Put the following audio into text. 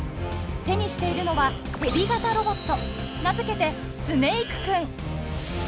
手にしているのはヘビ型ロボット名付けて「スネイクくん」。